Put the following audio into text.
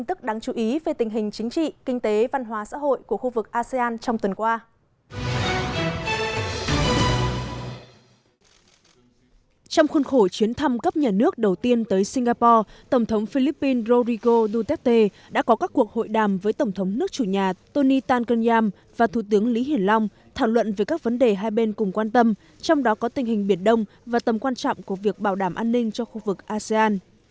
trong khuôn khổ chuyến thăm cấp nhà nước đầu tiên tới singapore tổng thống philippines rodrigo duterte đã có các cuộc hội đàm với tổng thống nước chủ nhà tony tanganyam và thủ tướng lý hiển long thảo luận về các vấn đề hai bên cùng quan tâm trong đó có tình hình biển đông và tầm quan trọng của việc bảo đảm an ninh cho khu vực asean